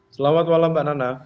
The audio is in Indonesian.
selamat malam mbak nana